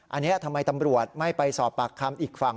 อันนี้ทำไมตำรวจไม่ไปสอบปากคำอีกฝั่ง